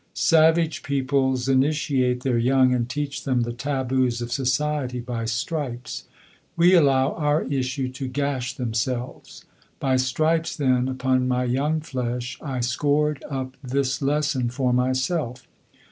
Savage peoples initiate their young and teach them the taboos of society by stripes. We allow our issue to gash themselves. By stripes, then, upon my young flesh, I scored up this lesson for myself.